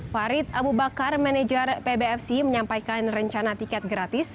farid abu bakar manajer pbfc menyampaikan rencana tiket gratis